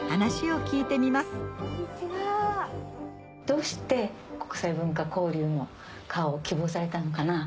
どうして国際文化交流科を希望されたのかな？